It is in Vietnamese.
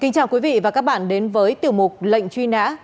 xin chào quý vị và các bạn đến với tiểu mục lệnh truy nã